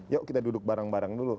yuk kita duduk bareng bareng dulu